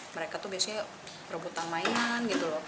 mereka tuh biasanya rebutan mainan gitu loh